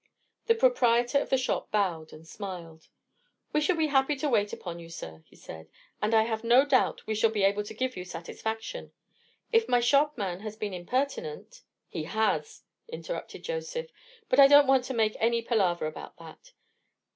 The proprietor of the shop bowed and smiled. "We shall be happy to wait upon you, sir," he said; "and I have no doubt we shall be able to give you satisfaction. If my shopman has been impertinent—" "He has," interrupted Joseph; "but I don't want to make any palaver about that.